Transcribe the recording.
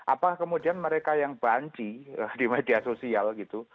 apa kemudian mereka yang banci di media sosial gitu